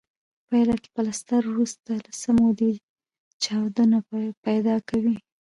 په پایله کې پلستر وروسته له څه مودې چاود نه پیدا کوي.